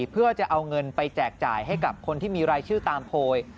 เพื่อจะเอาเงินไปแจกจ่ายให้กับคนที่มีรายชื่อตามโพย